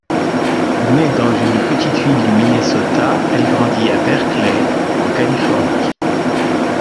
Née dans une petite ville du Minnesota, elle grandit à Berkeley en Californie.